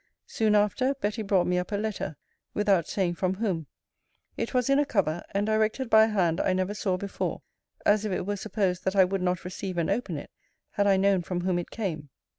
Soon after, Betty brought me up a letter, without saying from whom. It was in a cover, and directed by a hand I never saw before; as if it were supposed that I would not receive and open it, had I known from whom it came.